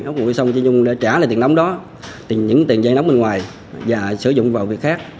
hấp hụi xong chị nhung đã trả lại tiền nắm đó những tiền dây nắm bên ngoài và sử dụng vào việc khác